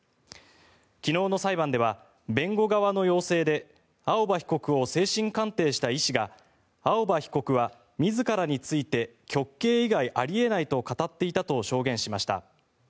昨日の裁判では弁護側の要請で青葉被告を精神鑑定した医師が青葉被告は自らについて極刑以外あり得ないと語っていたと証言しました。